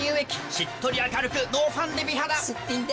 しっとり明るくノーファンデ美肌すっぴんで。